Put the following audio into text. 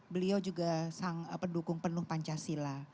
beliau juga sang pendukung penuh pancasila